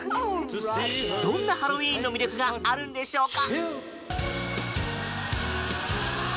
どんなハロウィーンの魅力があるんでしょうか？